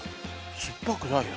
酸っぱくないな。